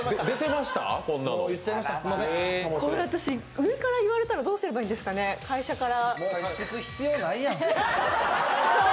上から言われたらどうすればいいんですかね、会社から。